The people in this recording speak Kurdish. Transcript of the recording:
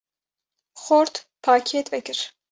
‘’ Xort, pakêt vekir.